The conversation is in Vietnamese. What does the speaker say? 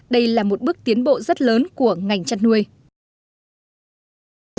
đây là một bước tiến bộ rất lớn của ngành chăn nuôi